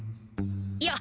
いや！